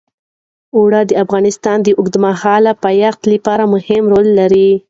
اوړي د افغانستان د اوږدمهاله پایښت لپاره مهم رول لري.